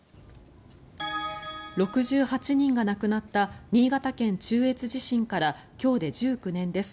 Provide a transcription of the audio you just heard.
６８人が亡くなった新潟県・中越地震から今日で１９年です。